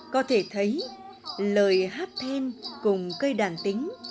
có thể thấy lời hát then cùng cây đàn tính